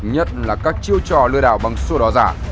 nhất là các chiêu trò lừa đảo bằng sổ đỏ giả